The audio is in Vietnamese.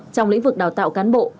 trong lĩnh vực đào tạo cán bộ